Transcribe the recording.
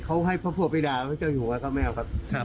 เขาให้พระพวกไปด่าเขาจะอยู่ไว้ก็ไม่เอาครับ